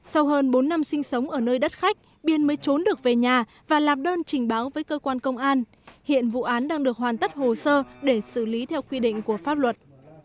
sau hơn bốn năm sinh sống ở nơi đất khách biên mới trốn được về nhà và lạp đơn trình báo với cơ quan công an hiện vụ án đang được hoàn tất hồ sơ để xử lý theo quy định của pháp luật